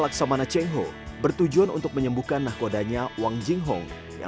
laksamana cengho bertujuan untuk menyembuhkan nahkodanya wang jinghong yang berada di kota semarang